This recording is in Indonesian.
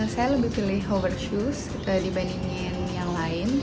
saya lebih pilih hover shoes dibandingin yang lain